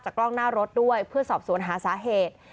กล้องหน้ารถด้วยเพื่อสอบสวนหาสาเหตุ